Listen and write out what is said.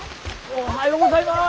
おはようございます。